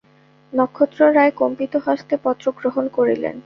নক্ষত্ররায় কম্পিত হস্তে পত্র গ্রহণ করিলেন।